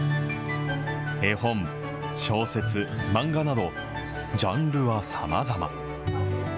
絵本、小説、漫画など、ジャンルはさまざま。